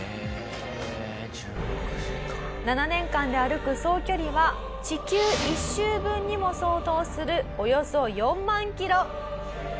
７年間で歩く総距離は地球１周分にも相当するおよそ４万キロ。